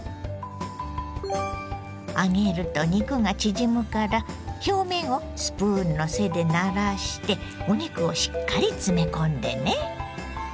揚げると肉が縮むから表面をスプーンの背でならしてお肉をしっかり詰め込んでね。